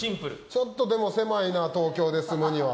ちょっとでも狭いな東京で住むには。